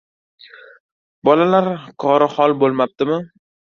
— Bolalar kori hol bo‘lmabdimi?